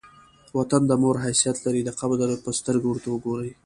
وطن د مور حیثیت لري؛ د قدر په سترګه ور ته ګورئ!